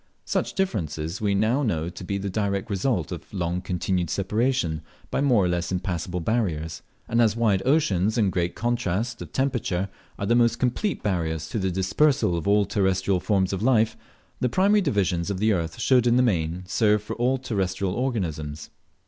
Such difference we now know to be the direct result of long continued separation by more or less impassable barriers; and as wide oceans and great contrast: of temperature are the most complete barriers to the dispersal of all terrestrial forms of life, the primary divisions of the earth should in the main serve for all terrestrial organisms.